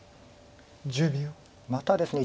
またですね